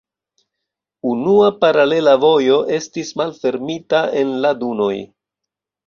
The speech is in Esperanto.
Unua paralela vojo estis malfermita en la dunoj.